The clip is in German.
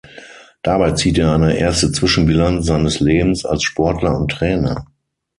Dabei zieht er eine erste Zwischenbilanz seines Lebens als Sportler und Trainer.